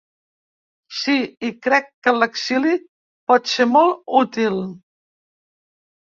Sí, i crec que l’exili pot ser molt útil.